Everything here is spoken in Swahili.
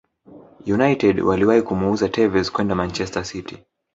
United waliwahi kumuuza Tevez kwenda manchester City